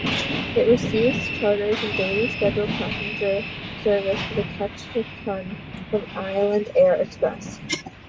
It receives charters and daily scheduled passenger service from Ketchikan from Island Air Express.